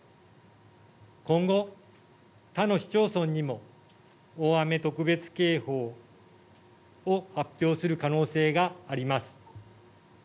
今後、他の市町村にも大雨特別警報を発表する可能性があります。